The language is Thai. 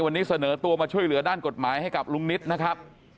วันนี้เสนอตัวมาช่วยเหลือด้านกฎหมายให้กับลุงนิตนะครับ